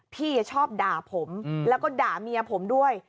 พี่ชอบด่าผมแล้วก็ด่าเมียผมด้วย